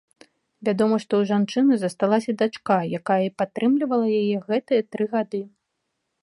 Вядома, што ў жанчыны засталася дачка, якая і падтрымлівала яе гэтыя тры гады.